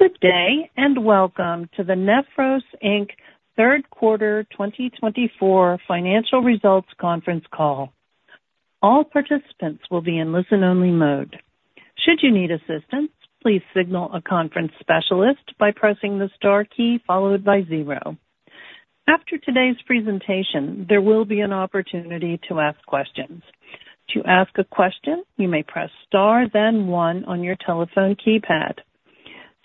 Good day and welcome to the Nephros Inc. third quarter 2024 financial results conference call. All participants will be in listen-only mode. Should you need assistance, please signal a conference specialist by pressing the star key followed by zero. After today's presentation, there will be an opportunity to ask questions. To ask a question, you may press star, then one on your telephone keypad.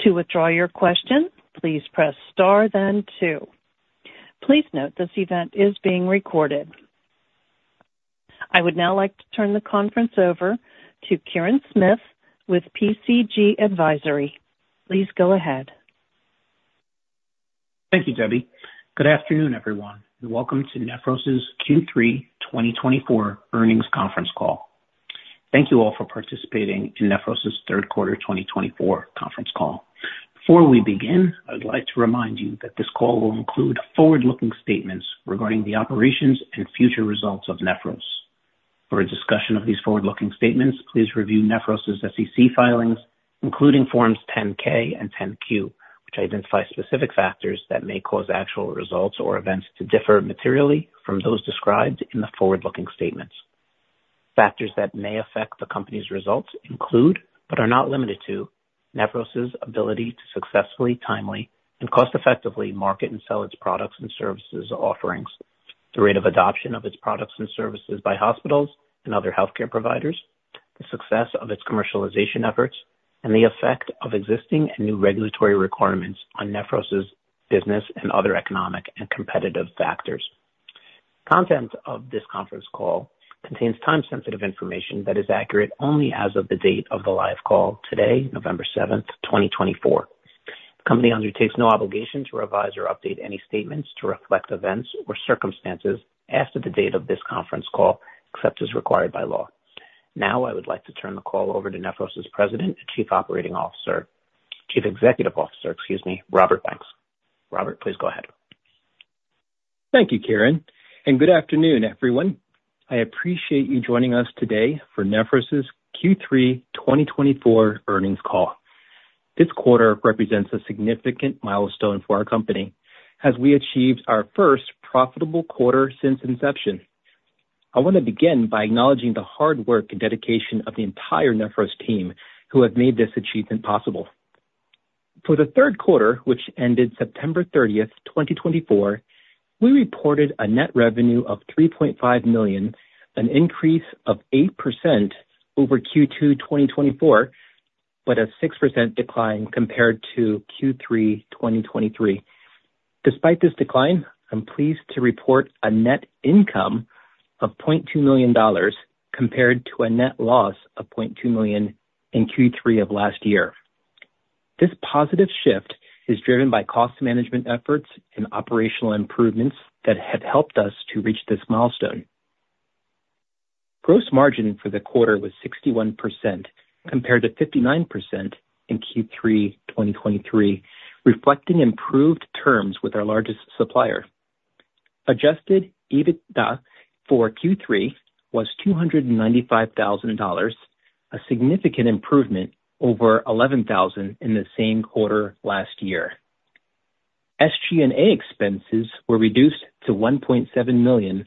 To withdraw your question, please press star, then two. Please note this event is being recorded. I would now like to turn the conference over to Kirin Smith with PCG Advisory. Please go ahead. Thank you, Debbie. Good afternoon, everyone, and welcome to Nephros' Q3 2024 earnings conference call. Thank you all for participating in Nephros' third quarter 2024 conference call. Before we begin, I would like to remind you that this call will include forward-looking statements regarding the operations and future results of Nephros. For a discussion of these forward-looking statements, please review Nephros' SEC filings, including Forms 10-K and 10-Q, which identify specific factors that may cause actual results or events to differ materially from those described in the forward-looking statements. Factors that may affect the company's results include, but are not limited to, Nephros' ability to successfully, timely, and cost-effectively market and sell its products and services offerings, the rate of adoption of its products and services by hospitals and other healthcare providers, the success of its commercialization efforts, and the effect of existing and new regulatory requirements on Nephros' business and other economic and competitive factors. The content of this conference call contains time-sensitive information that is accurate only as of the date of the live call today, November 7th, 2024. The company undertakes no obligation to revise or update any statements to reflect events or circumstances as to the date of this conference call, except as required by law. Now, I would like to turn the call over to Nephros' President and Chief Operating Officer, Chief Executive Officer, excuse me, Robert Banks. Robert, please go ahead. Thank you, Kirin, and good afternoon, everyone. I appreciate you joining us today for Nephros' Q3 2024 earnings call. This quarter represents a significant milestone for our company, as we achieved our first profitable quarter since inception. I want to begin by acknowledging the hard work and dedication of the entire Nephros team who have made this achievement possible. For the third quarter, which ended September 30th, 2024, we reported a net revenue of $3.5 million, an increase of 8% over Q2 2024, but a 6% decline compared to Q3 2023. Despite this decline, I'm pleased to report a net income of $0.2 million compared to a net loss of $0.2 million in Q3 of last year. This positive shift is driven by cost management efforts and operational improvements that have helped us to reach this milestone. Gross margin for the quarter was 61% compared to 59% in Q3 2023, reflecting improved terms with our largest supplier. Adjusted EBITDA for Q3 was $295,000, a significant improvement over $11,000 in the same quarter last year. SG&A expenses were reduced to $1.7 million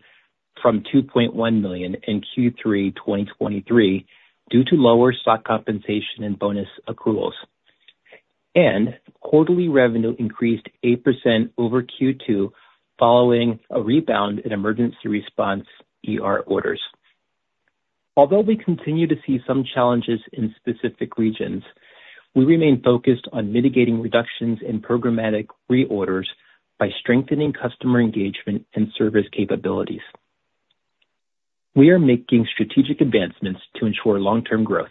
from $2.1 million in Q3 2023 due to lower stock compensation and bonus accruals, and quarterly revenue increased 8% over Q2 following a rebound in emergency response orders. Although we continue to see some challenges in specific regions, we remain focused on mitigating reductions in programmatic reorders by strengthening customer engagement and service capabilities. We are making strategic advancements to ensure long-term growth.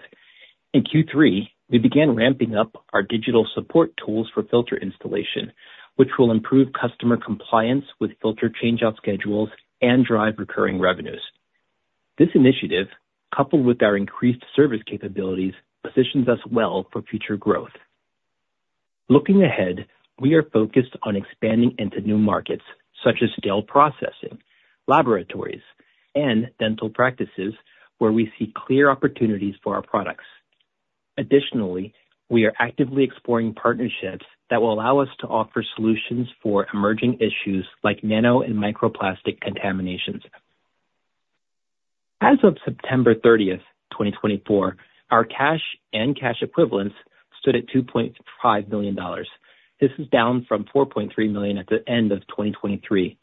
In Q3, we began ramping up our digital support tools for filter installation, which will improve customer compliance with filter changeout schedules and drive recurring revenues. This initiative, coupled with our increased service capabilities, positions us well for future growth. Looking ahead, we are focused on expanding into new markets such as steel processing, laboratories, and dental practices, where we see clear opportunities for our products. Additionally, we are actively exploring partnerships that will allow us to offer solutions for emerging issues like nano and microplastic contaminations. As of September 30th, 2024, our cash and cash equivalents stood at $2.5 million. This is down from $4.3 million at the end of 2023.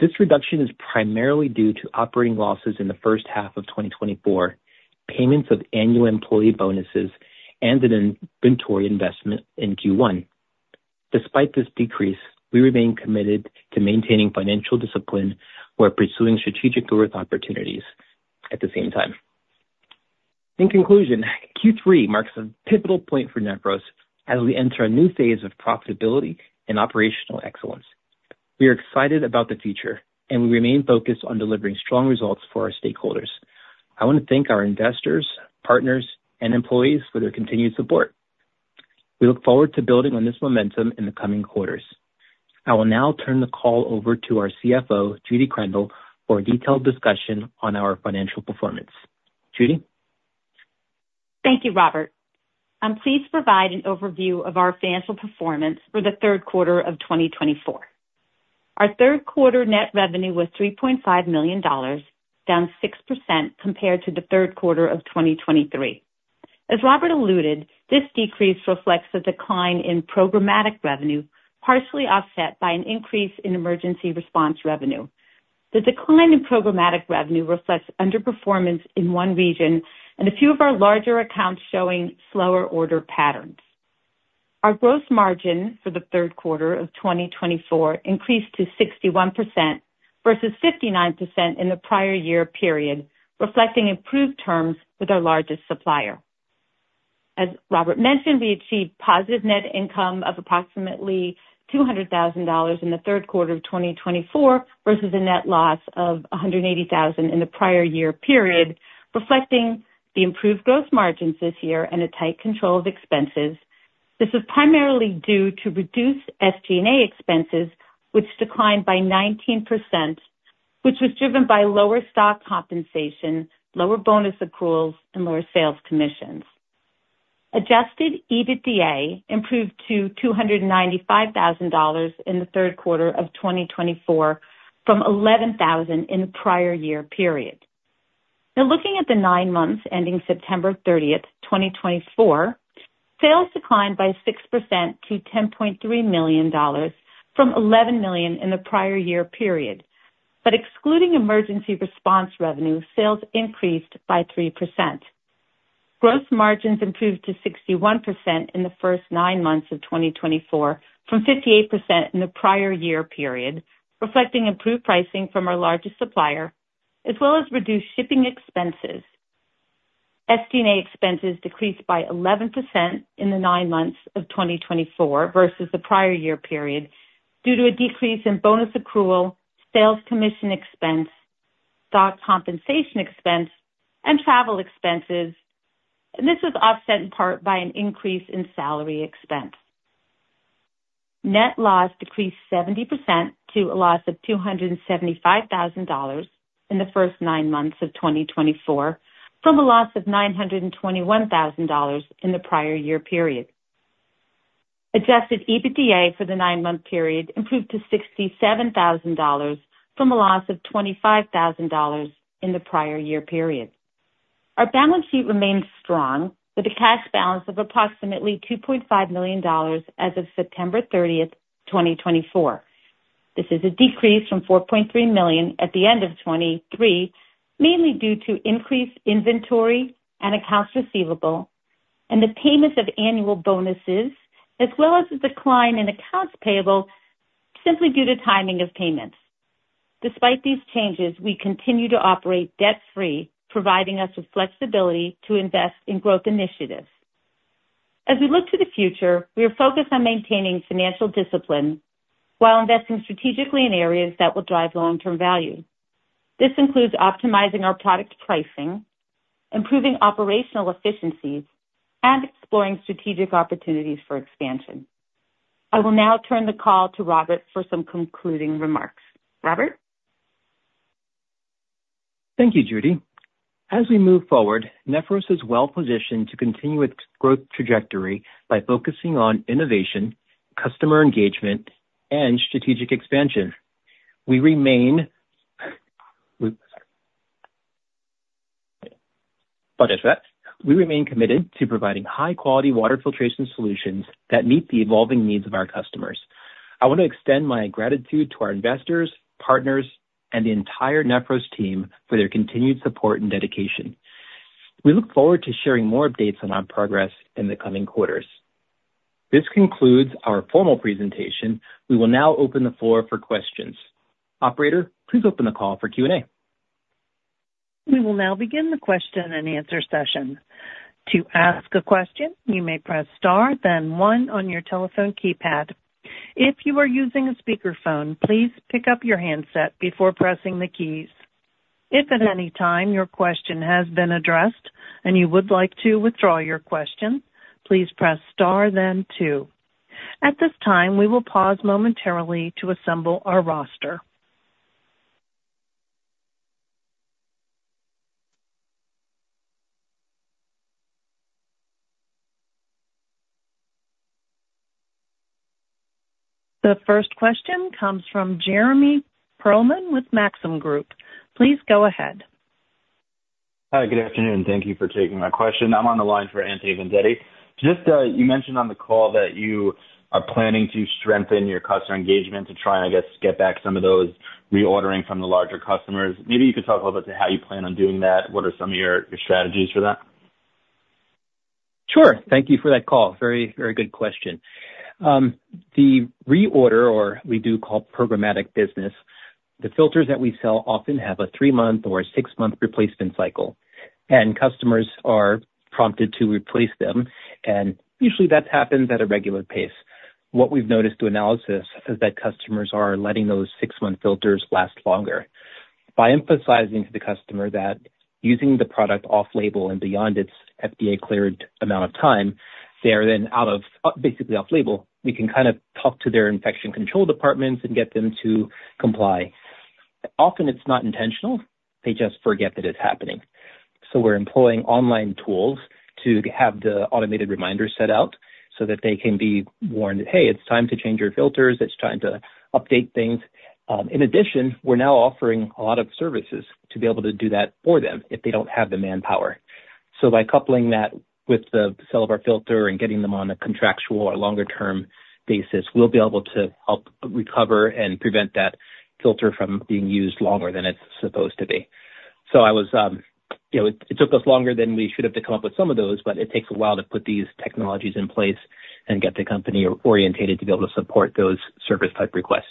This reduction is primarily due to operating losses in the first half of 2024, payments of annual employee bonuses, and an inventory investment in Q1. Despite this decrease, we remain committed to maintaining financial discipline while pursuing strategic growth opportunities at the same time. In conclusion, Q3 marks a pivotal point for Nephros as we enter a new phase of profitability and operational excellence. We are excited about the future, and we remain focused on delivering strong results for our stakeholders. I want to thank our investors, partners, and employees for their continued support. We look forward to building on this momentum in the coming quarters. I will now turn the call over to our CFO, Judy Krandel, for a detailed discussion on our financial performance. Judy? Thank you, Robert. I'm pleased to provide an overview of our financial performance for the third quarter of 2024. Our third quarter net revenue was $3.5 million, down 6% compared to the third quarter of 2023. As Robert alluded, this decrease reflects a decline in programmatic revenue, partially offset by an increase in emergency response revenue. The decline in programmatic revenue reflects underperformance in one region and a few of our larger accounts showing slower order patterns. Our gross margin for the third quarter of 2024 increased to 61% versus 59% in the prior year period, reflecting improved terms with our largest supplier. As Robert mentioned, we achieved positive net income of approximately $200,000 in the third quarter of 2024 versus a net loss of $180,000 in the prior year period, reflecting the improved gross margins this year and a tight control of expenses. This is primarily due to reduced SG&A expenses, which declined by 19%, which was driven by lower stock compensation, lower bonus accruals, and lower sales commissions. Adjusted EBITDA improved to $295,000 in the third quarter of 2024 from $11,000 in the prior year period. Now, looking at the nine months ending September 30th, 2024, sales declined by 6% to $10.3 million from $11 million in the prior year period. But excluding emergency response revenue, sales increased by 3%. Gross margins improved to 61% in the first nine months of 2024 from 58% in the prior year period, reflecting improved pricing from our largest supplier, as well as reduced shipping expenses. SG&A expenses decreased by 11% in the nine months of 2024 versus the prior year period due to a decrease in bonus accrual, sales commission expense, stock compensation expense, and travel expenses. And this was offset in part by an increase in salary expense. Net loss decreased 70% to a loss of $275,000 in the first nine months of 2024 from a loss of $921,000 in the prior year period. Adjusted EBITDA for the nine-month period improved to $67,000 from a loss of $25,000 in the prior year period. Our balance sheet remains strong with a cash balance of approximately $2.5 million as of September 30th, 2024. This is a decrease from $4.3 million at the end of 2023, mainly due to increased inventory and accounts receivable, and the payment of annual bonuses, as well as a decline in accounts payable simply due to timing of payments. Despite these changes, we continue to operate debt-free, providing us with flexibility to invest in growth initiatives. As we look to the future, we are focused on maintaining financial discipline while investing strategically in areas that will drive long-term value. This includes optimizing our product pricing, improving operational efficiencies, and exploring strategic opportunities for expansion. I will now turn the call to Robert for some concluding remarks. Robert? Thank you, Judy. As we move forward, Nephros is well-positioned to continue its growth trajectory by focusing on innovation, customer engagement, and strategic expansion. We remain committed to providing high-quality water filtration solutions that meet the evolving needs of our customers. I want to extend my gratitude to our investors, partners, and the entire Nephros team for their continued support and dedication. We look forward to sharing more updates on our progress in the coming quarters. This concludes our formal presentation. We will now open the floor for questions. Operator, please open the call for Q&A. We will now begin the question and answer session. To ask a question, you may press star, then one on your telephone keypad. If you are using a speakerphone, please pick up your handset before pressing the keys. If at any time your question has been addressed and you would like to withdraw your question, please press star, then two. At this time, we will pause momentarily to assemble our roster. The first question comes from Jeremy Pearlman with Maxim Group. Please go ahead. Hi, good afternoon. Thank you for taking my question. I'm on the line for Anthony Vendetti. Just you mentioned on the call that you are planning to strengthen your customer engagement to try and, I guess, get back some of those reordering from the larger customers. Maybe you could talk a little bit to how you plan on doing that. What are some of your strategies for that? Sure. Thank you for that call. Very, very good question. The reorder, or we do call programmatic business, the filters that we sell often have a three-month or a six-month replacement cycle, and customers are prompted to replace them, and usually that happens at a regular pace. What we've noticed through analysis is that customers are letting those six-month filters last longer. By emphasizing to the customer that using the product off-label and beyond its FDA-cleared amount of time, they are then out of, basically off-label, we can kind of talk to their infection control departments and get them to comply. Often, it's not intentional. They just forget that it's happening, so we're employing online tools to have the automated reminders set out so that they can be warned, "Hey, it's time to change your filters. It's time to update things." In addition, we're now offering a lot of services to be able to do that for them if they don't have the manpower. So by coupling that with the sale of our filter and getting them on a contractual or longer-term basis, we'll be able to help recover and prevent that filter from being used longer than it's supposed to be. So it took us longer than we should have to come up with some of those, but it takes a while to put these technologies in place and get the company oriented to be able to support those service-type requests.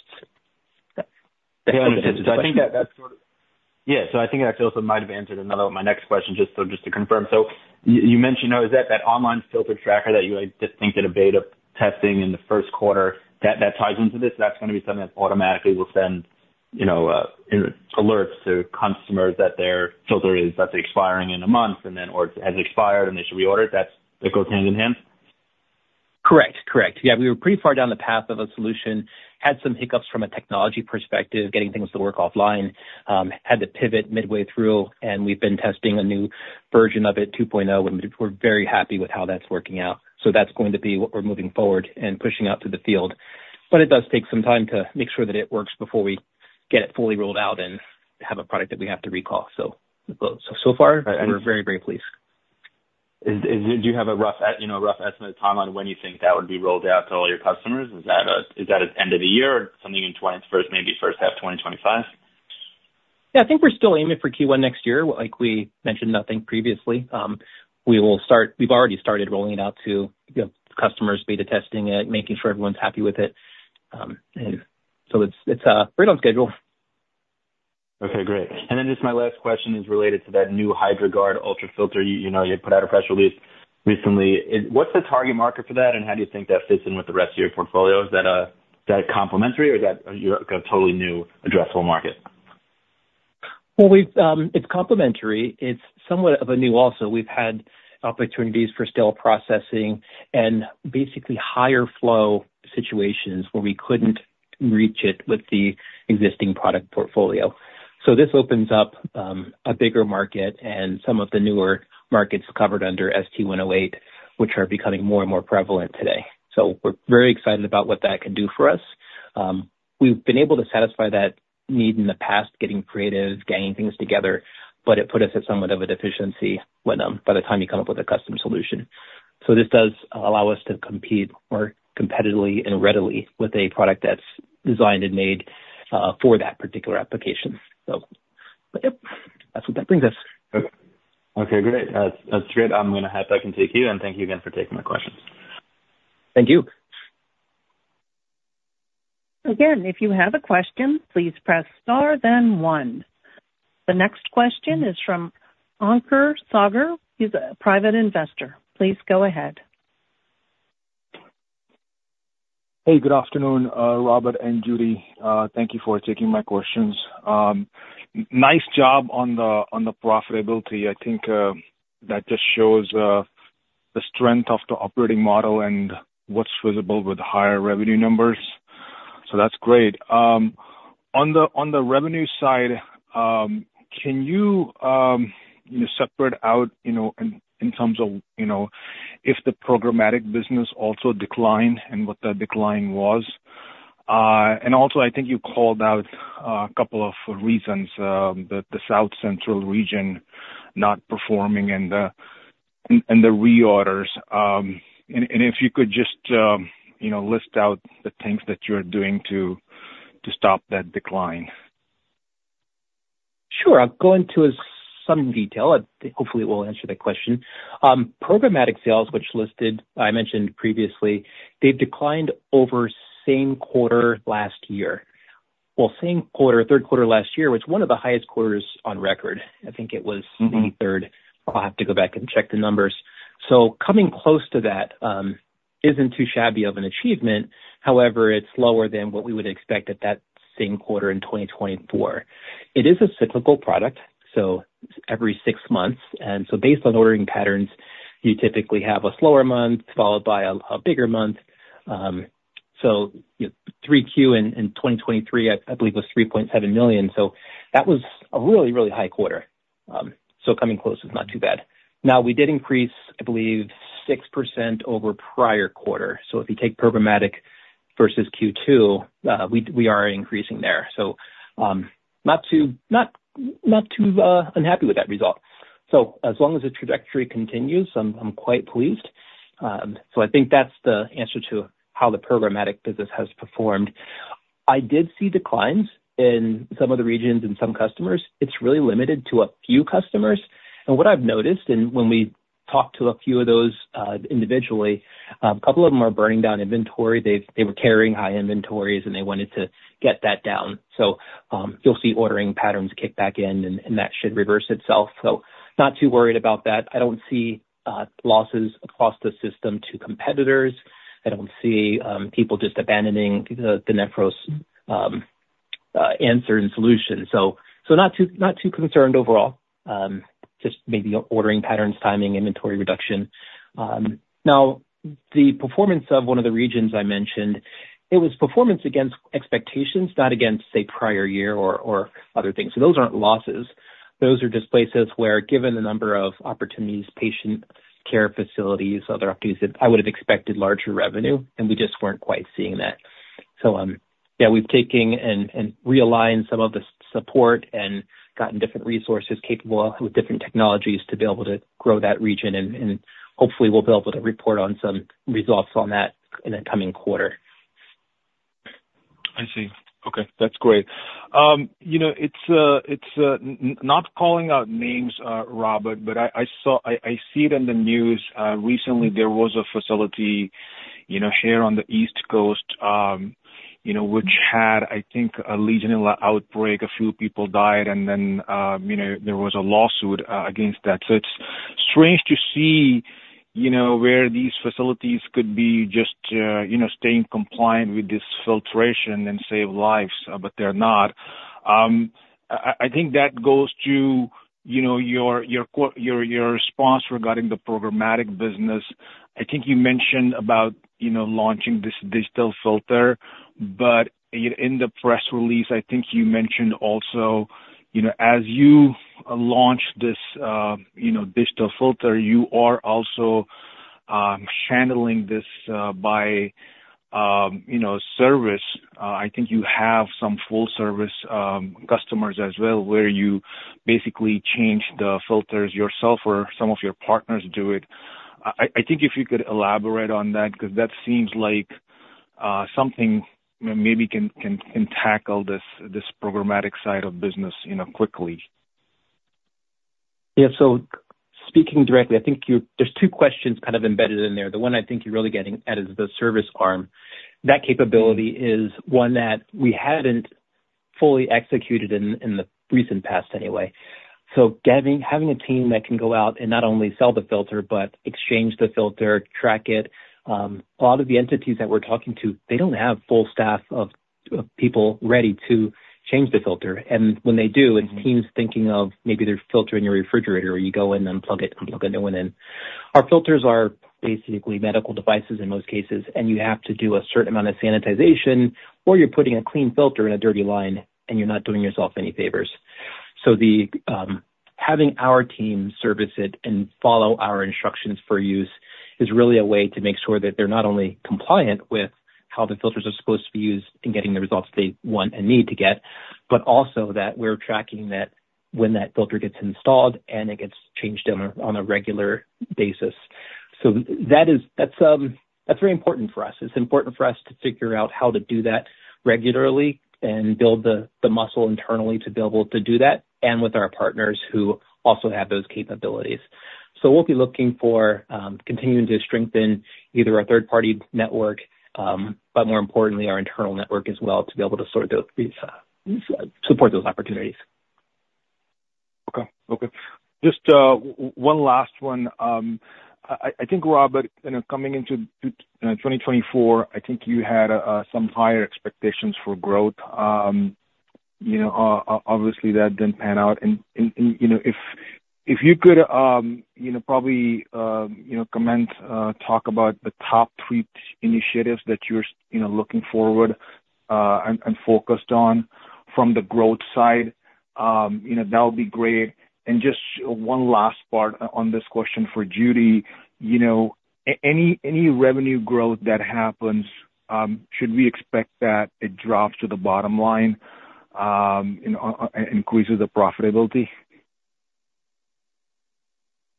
Yeah. I think that that's sort of, yeah. So I think that also might have answered another one of my next questions, just to confirm. So you mentioned that online filter tracker that you think did a bit of testing in the first quarter, that ties into this. That's going to be something that automatically will send alerts to customers that their filter is expiring in a month, or it has expired and they should reorder. That goes hand in hand? Correct. Correct. Yeah. We were pretty far down the path of a solution, had some hiccups from a technology perspective, getting things to work offline, had to pivot midway through, and we've been testing a new version of it, 2.0, and we're very happy with how that's working out. So that's going to be what we're moving forward and pushing out to the field. But it does take some time to make sure that it works before we get it fully rolled out and have a product that we have to recall. So far, we're very, very pleased. Do you have a rough estimate of the timeline when you think that would be rolled out to all your customers? Is that at the end of the year or something in May 1st, maybe first half of 2025? Yeah. I think we're still aiming for Q1 next year. Like we mentioned previously. We've already started rolling it out to customers, beta testing it, making sure everyone's happy with it, and so it's right on schedule. Okay. Great. And then just my last question is related to that new HydraGuard UltraFilter you put out a press release recently. What's the target market for that, and how do you think that fits in with the rest of your portfolio? Is that complementary, or is that a totally new addressable market? It's complementary. It's somewhat of a new also. We've had opportunities for steel processing and basically higher flow situations where we couldn't reach it with the existing product portfolio. So this opens up a bigger market and some of the newer markets covered under ST108, which are becoming more and more prevalent today. So we're very excited about what that can do for us. We've been able to satisfy that need in the past, getting creative, ganging things together, but it put us at somewhat of a deficiency by the time you come up with a custom solution. So this does allow us to compete more competitively and readily with a product that's designed and made for that particular application. So that's what that brings us. Okay. Great. That's great. I'm going to hand it back to you, and thank you again for taking my questions. Thank you. Again, if you have a question, please press star, then one. The next question is from Ankur Sagar. He's a private investor. Please go ahead. Hey, good afternoon, Robert and Judy. Thank you or taking my questions. Nice job on the profitability. I think that just shows the strength of the operating model and what's visible with higher revenue numbers. So that's great. On the revenue side, can you separate out in terms of if the programmatic business also declined and what the decline was? And also, I think you called out a couple of reasons, the South Central region not performing and the reorders. And if you could just list out the things that you're doing to stop that decline. Sure. I'll go into some detail. Hopefully, it will answer the question. Programmatic sales, which I mentioned previously, they've declined over same quarter last year. Well, same quarter, third quarter last year, was one of the highest quarters on record. I think it was the third. I'll have to go back and check the numbers. So coming close to that isn't too shabby of an achievement. However, it's lower than what we would expect at that same quarter in 2024. It is a cyclical product, so every six months, and so based on ordering patterns, you typically have a slower month followed by a bigger month. So 3Q in 2023, I believe, was $3.7 million. So that was a really, really high quarter. So coming close is not too bad. Now, we did increase, I believe, 6% over prior quarter. So if you take programmatic versus Q2, we are increasing there. So not too unhappy with that result. So as long as the trajectory continues, I'm quite pleased. So I think that's the answer to how the programmatic business has performed. I did see declines in some of the regions and some customers. It's really limited to a few customers. And what I've noticed, and when we talk to a few of those individually, a couple of them are burning down inventory. They were carrying high inventories, and they wanted to get that down. So you'll see ordering patterns kick back in, and that should reverse itself. So not too worried about that. I don't see losses across the system to competitors. I don't see people just abandoning the Nephros answer and solution. So not too concerned overall, just maybe ordering patterns, timing, inventory reduction. Now, the performance of one of the regions I mentioned, it was performance against expectations, not against, say, prior year or other things. So those aren't losses. Those are just places where, given the number of opportunities, patient care facilities, other opportunities, I would have expected larger revenue, and we just weren't quite seeing that. So yeah, we've taken and realigned some of the support and gotten different resources capable with different technologies to be able to grow that region. And hopefully, we'll be able to report on some results on that in the coming quarter. I see. Okay. That's great. It's not calling out names, Robert, but I see it in the news. Recently, there was a facility here on the East Coast which had, I think, a Legionella outbreak. A few people died, and then there was a lawsuit against that. So it's strange to see where these facilities could be just staying compliant with this filtration and save lives, but they're not. I think that goes to your response regarding the programmatic business. I think you mentioned about launching this digital filter, but in the press release, I think you mentioned also, as you launch this digital filter, you are also channeling this by service. I think you have some full-service customers as well where you basically change the filters yourself or some of your partners do it. I think if you could elaborate on that because that seems like something maybe can tackle this programmatic side of business quickly. Yeah. So speaking directly, I think there's two questions kind of embedded in there. The one I think you're really getting at is the service arm. That capability is one that we haven't fully executed in the recent past anyway. So having a team that can go out and not only sell the filter, but exchange the filter, track it. A lot of the entities that we're talking to, they don't have full staff of people ready to change the filter. And when they do, it's teams thinking of maybe they're filtering your refrigerator or you go in and unplug it and plug a new one in. Our filters are basically medical devices in most cases, and you have to do a certain amount of sanitization, or you're putting a clean filter in a dirty line, and you're not doing yourself any favors. So having our team service it and follow our instructions for use is really a way to make sure that they're not only compliant with how the filters are supposed to be used in getting the results they want and need to get, but also that we're tracking that when that filter gets installed and it gets changed on a regular basis. So that's very important for us. It's important for us to figure out how to do that regularly and build the muscle internally to be able to do that and with our partners who also have those capabilities. So we'll be looking for continuing to strengthen either our third-party network, but more importantly, our internal network as well to be able to support those opportunities. Okay. Okay. Just one last one. I think, Robert, coming into 2024, I think you had some higher expectations for growth. Obviously, that didn't pan out. And if you could probably comment, talk about the top three initiatives that you're looking forward and focused on from the growth side, that would be great. And just one last part on this question for Judy. Any revenue growth that happens, should we expect that it drops to the bottom line and increases the profitability?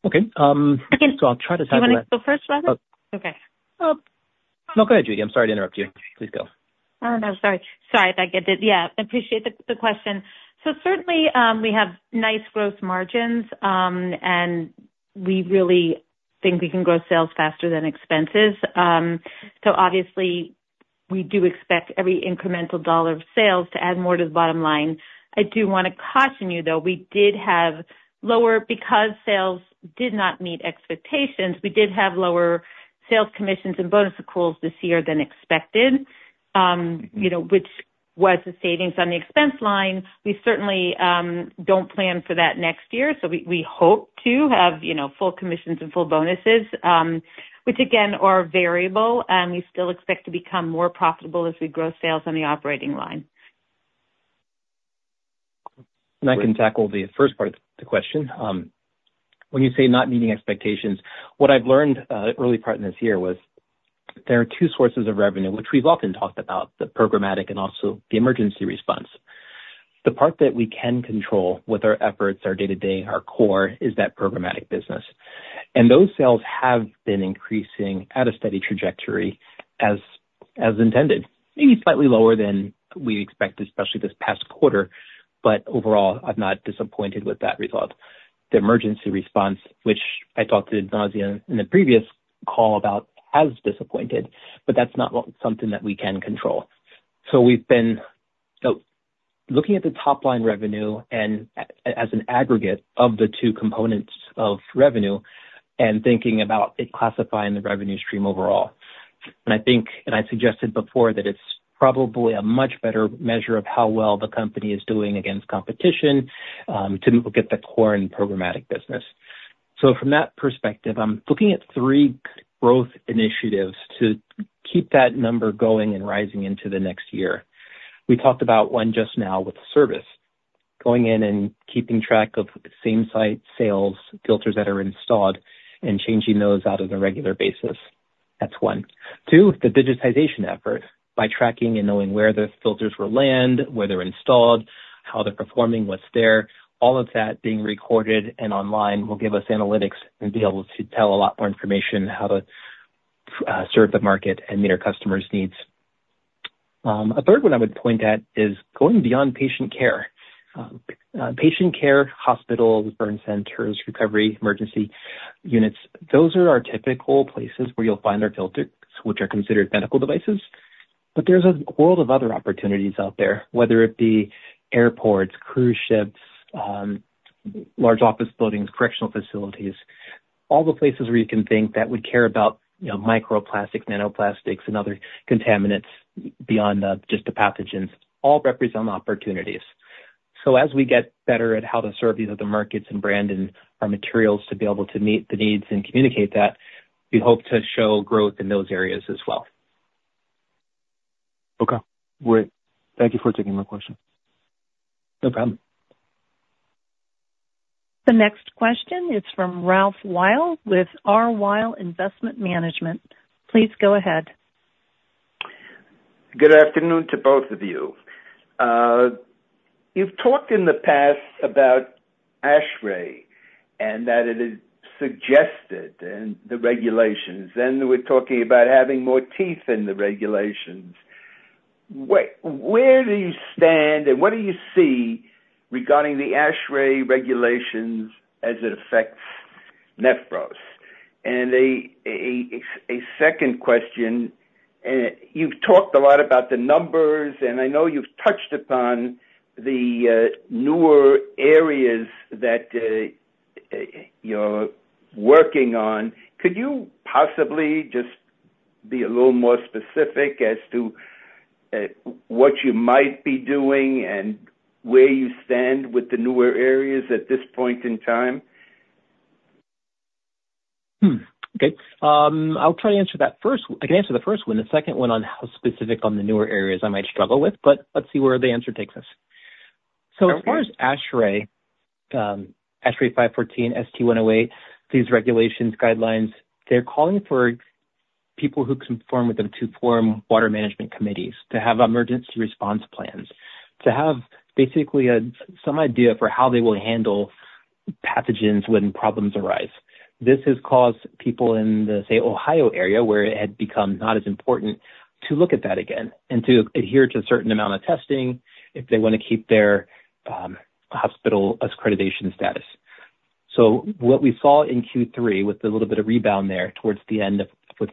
Okay. So I'll try to talk about. Do you want to go first, Robert? Okay. No, go ahead, Judy. I'm sorry to interrupt you. Please go. Oh, no. Sorry. Sorry if I get it. Yeah. Appreciate the question. So certainly, we have nice gross margins, and we really think we can grow sales faster than expenses. So obviously, we do expect every incremental dollar of sales to add more to the bottom line. I do want to caution you, though. We did have lower because sales did not meet expectations. We did have lower sales commissions and bonus accruals this year than expected, which was the savings on the expense line. We certainly don't plan for that next year. So we hope to have full commissions and full bonuses, which, again, are variable, and we still expect to become more profitable as we grow sales on the operating line. I can tackle the first part of the question. When you say not meeting expectations, what I've learned early part in this year was there are two sources of revenue, which we've often talked about, the programmatic and also the emergency response. The part that we can control with our efforts, our day-to-day, our core is that programmatic business. And those sales have been increasing at a steady trajectory as intended, maybe slightly lower than we expected, especially this past quarter. But overall, I'm not disappointed with that result. The emergency response, which I talked about in the previous call, has disappointed, but that's not something that we can control. So we've been looking at the top-line revenue as an aggregate of the two components of revenue and thinking about it classifying the revenue stream overall. I think, and I suggested before, that it's probably a much better measure of how well the company is doing against competition to look at the core and programmatic business. So from that perspective, I'm looking at three growth initiatives to keep that number going and rising into the next year. We talked about one just now with service, going in and keeping track of same-site sales, filters that are installed, and changing those out on a regular basis. That's one. Two, the digitization effort by tracking and knowing where the filters will land, where they're installed, how they're performing, what's there. All of that being recorded and online will give us analytics and be able to tell a lot more information how to serve the market and meet our customers' needs. A third one I would point at is going beyond patient care. Patient care, hospitals, burn centers, recovery emergency units, those are our typical places where you'll find our filters, which are considered medical devices. But there's a world of other opportunities out there, whether it be airports, cruise ships, large office buildings, correctional facilities, all the places where you can think that would care about microplastics, nanoplastics, and other contaminants beyond just the pathogens, all represent opportunities. So as we get better at how to serve these other markets and brand and our materials to be able to meet the needs and communicate that, we hope to show growth in those areas as well. Okay. Great. Thank you for taking my question. No problem. The next question is from Ralph Weil with R. Weil Investment Management. Please go ahead. Good afternoon to both of you. You've talked in the past about ASHRAE and that it is suggested in the regulations, and we're talking about having more teeth in the regulations. Where do you stand, and what do you see regarding the ASHRAE regulations as it affects Nephros? And a second question, you've talked a lot about the numbers, and I know you've touched upon the newer areas that you're working on. Could you possibly just be a little more specific as to what you might be doing and where you stand with the newer areas at this point in time? Okay. I'll try to answer that first. I can answer the first one. The second one on how specific on the newer areas I might struggle with, but let's see where the answer takes us. So as far as ASHRAE, ASHRAE 514, ST108, these regulations, guidelines, they're calling for people who conform with them to form water management committees, to have emergency response plans, to have basically some idea for how they will handle pathogens when problems arise. This has caused people in the, say, Ohio area where it had become not as important to look at that again and to adhere to a certain amount of testing if they want to keep their hospital accreditation status. So what we saw in Q3 with a little bit of rebound there towards the end with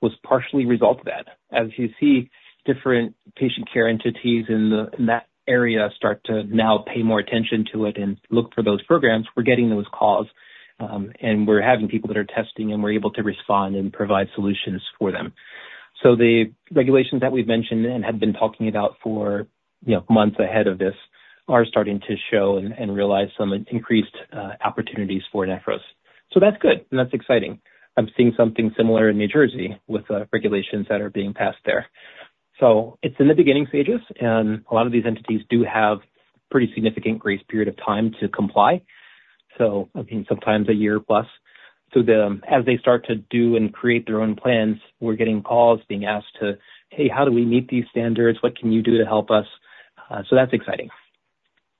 was partially a result of that. As you see, different patient care entities in that area start to now pay more attention to it and look for those programs. We're getting those calls, and we're having people that are testing, and we're able to respond and provide solutions for them. So the regulations that we've mentioned and had been talking about for months ahead of this are starting to show and realize some increased opportunities for Nephros. So that's good, and that's exciting. I'm seeing something similar in New Jersey with regulations that are being passed there. So it's in the beginning stages, and a lot of these entities do have a pretty significant grace period of time to comply. So I mean, sometimes a year plus. So as they start to do and create their own plans, we're getting calls being asked to, "Hey, how do we meet these standards? What can you do to help us?" So that's exciting.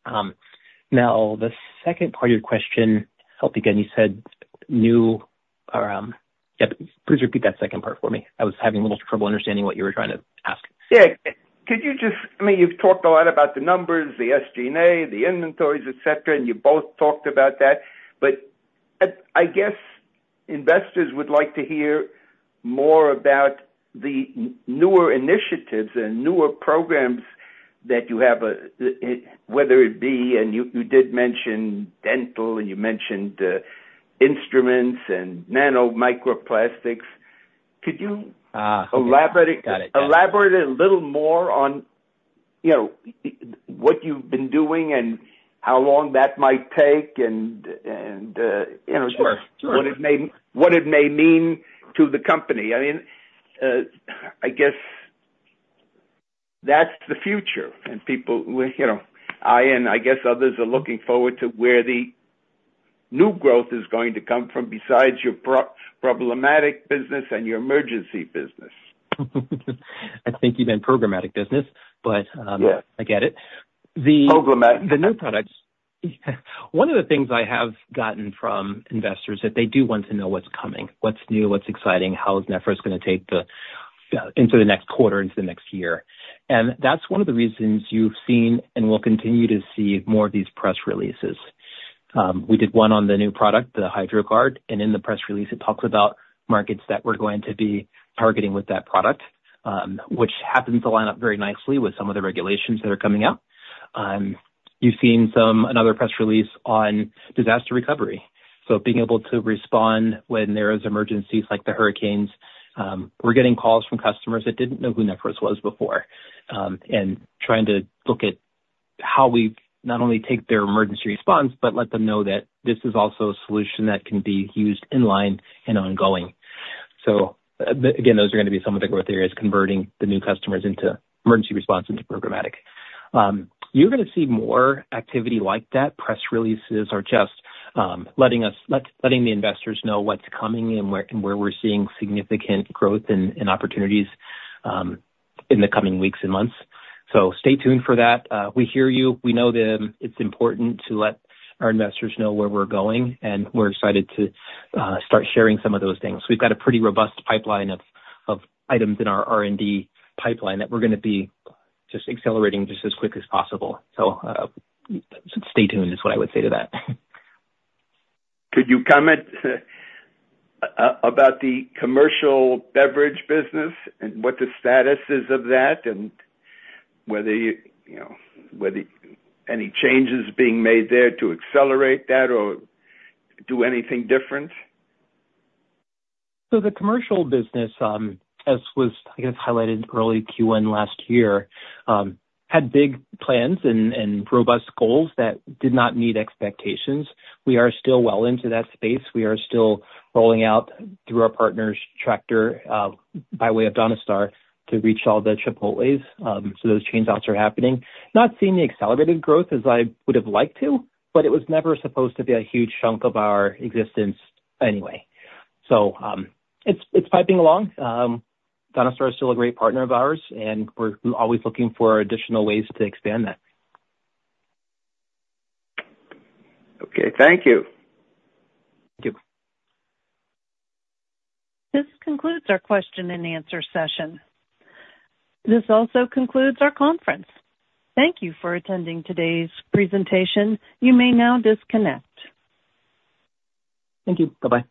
Now, the second part of your question, I'll begin. You said new, or yep, please repeat that second part for me. I was having a little trouble understanding what you were trying to ask. Yeah. Could you just, I mean, you've talked a lot about the numbers, the SG&A, the inventories, etc., and you both talked about that. But I guess investors would like to hear more about the newer initiatives and newer programs that you have, whether it be, and you did mention dental, and you mentioned instruments and nanomicroplastics. Could you elaborate a little more on what you've been doing and how long that might take and what it may mean to the company? I mean, I guess that's the future, and people, I and I guess others are looking forward to where the new growth is going to come from besides your programmatic business and your emergency business. I think you meant programmatic business, but I get it. Programmatic. The new products. One of the things I have gotten from investors is that they do want to know what's coming, what's new, what's exciting, how is Nephros going to take the into the next quarter, into the next year, and that's one of the reasons you've seen and will continue to see more of these press releases. We did one on the new product, the HydraGuard, and in the press release, it talks about markets that we're going to be targeting with that product, which happens to line up very nicely with some of the regulations that are coming out. You've seen another press release on disaster recovery. So being able to respond when there are emergencies like the hurricanes, we're getting calls from customers that didn't know who Nephros was before and trying to look at how we not only take their emergency response, but let them know that this is also a solution that can be used in line and ongoing. So again, those are going to be some of the growth areas, converting the new customers into emergency response into programmatic. You're going to see more activity like that. Press releases are just letting the investors know what's coming and where we're seeing significant growth and opportunities in the coming weeks and months. So stay tuned for that. We hear you. We know that it's important to let our investors know where we're going, and we're excited to start sharing some of those things. We've got a pretty robust pipeline of items in our R&D pipeline that we're going to be just accelerating just as quick as possible. So stay tuned is what I would say to that. Could you comment about the commercial beverage business and what the status is of that and whether any changes being made there to accelerate that or do anything different? So the commercial business, as was, I guess, highlighted early Q1 last year, had big plans and robust goals that did not meet expectations. We are still well into that space. We are still rolling out through our partners, Tractor by way of Donastar to reach all the Chipotles. So those changeouts are happening. Not seeing the accelerated growth as I would have liked to, but it was never supposed to be a huge chunk of our existence anyway. So it's piping along. Donastar is still a great partner of ours, and we're always looking for additional ways to expand that. Okay. Thank you. Thank you. This concludes our question and answer session. This also concludes our conference. Thank you for attending today's presentation. You may now disconnect. Thank you. Bye-bye.